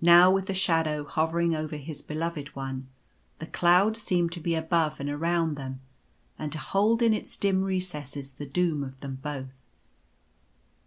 Now with the shadow hovering over his Beloved One, the cloud seemed to be above and around them, and to hold in its dim recesses the doom of them both.